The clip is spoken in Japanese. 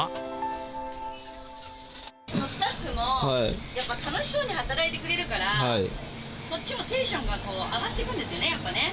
スタッフも、やっぱ楽しそうに働いてくれるから、こっちもテンションが上がってくるんですよね、やっぱね。